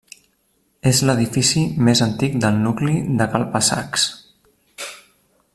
És l'edifici més antic del nucli de cal Bassacs.